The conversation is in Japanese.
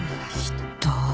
ひっどい。